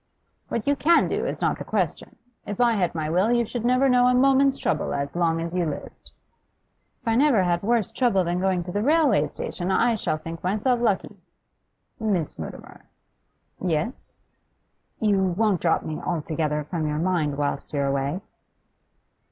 'What you can do is not the question. If I had my will you should never know a moment's trouble as long as you lived.' 'If I never have worse trouble than going to the railway station, I shall think myself lucky.' 'Miss Mutimer ' 'Yes?' 'You won't drop me altogether from your mind whilst you're away?